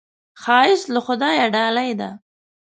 ښایست له خدایه ډالۍ ده